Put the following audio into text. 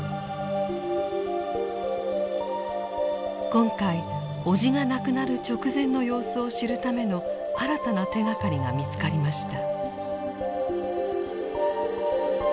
今回叔父が亡くなる直前の様子を知るための新たな手がかりが見つかりました。